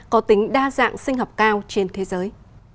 có tính đa dạng sinh học cao trên thế giới